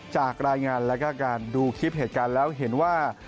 จากรายงานแล้วก็การดูคลิปเหตุการณ์แล้วเห็นว่า